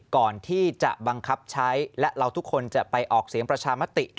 ก่อนที่จะบังคับใช้และเราทุกคนจะไปออกเสียงประชามติ